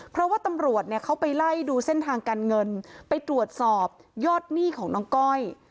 เพราะว่าตำรวจเนี่ยเขาไปไล่ดูเส้นทางการเงินไปตรวจสอบยอดหนี้ของน้องก้อย